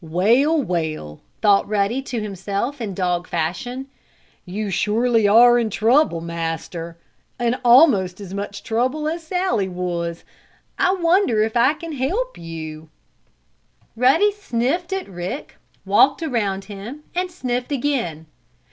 "Well, well!" thought Ruddy to himself, dog fashion. "You surely are in trouble, Master! In almost as much trouble as Sallie was! I wonder if I can help you?" Ruddy sniffed at Rick, walked around him and sniffed again.